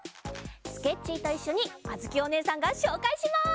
スケッチーといっしょにあづきおねえさんがしょうかいします！